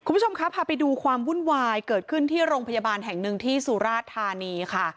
คุณผู้ชมคะพาไปดูความวุ่นวายเกิดขึ้นที่โรงพยาบาลแห่งหนึ่งที่สุราชธานีค่ะ